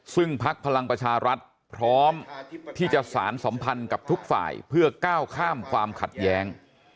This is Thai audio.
ซึ่งพักพลังประชารัฐพร้อมที่จะสารสัมพันธ์กับทุกฝ่ายเพื่อก้าวข้ามความขัดแย้ง